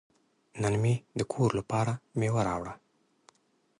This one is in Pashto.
نن مې د کور لپاره میوه راوړه.